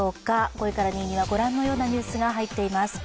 ５位から２位には、ご覧のようなニュースが入っています。